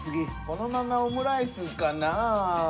このままオムライスかな。